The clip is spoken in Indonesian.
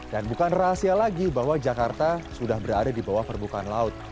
bukan rahasia lagi bahwa jakarta sudah berada di bawah permukaan laut